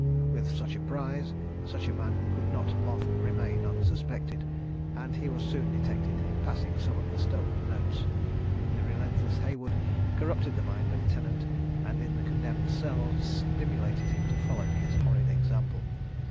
With such a prize such a man could not long remain unsuspected, and he was soon detected in passing some of the stolen notes. The relentless Haywood corrupted the mind of Tennant, and, in the condemned cells, stimulated him to follow his horrid example.